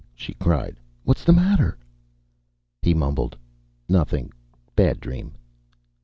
she cried. "What's the matter?" He mumbled, "Nothing. Bad dream."